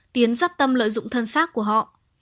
tiến dắp tâm lợi dụng thân xác của họ